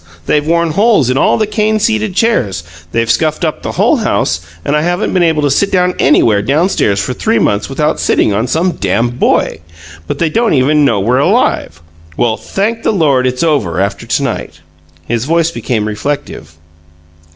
They've worn holes in all the cane seated chairs, they've scuffed up the whole house, and I haven't been able to sit down anywhere down stairs for three months without sitting on some dam boy; but they don't even know we're alive! Well, thank the Lord, it's over after to night!" His voice became reflective.